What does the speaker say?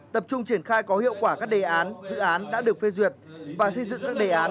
tập trung triển khai có hiệu quả các đề án dự án đã được phê duyệt và xây dựng các đề án